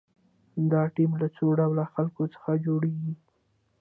دا ټیم له څو ډوله خلکو څخه جوړیږي.